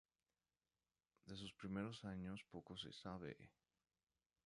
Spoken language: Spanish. De sus primeros años poco se sabe.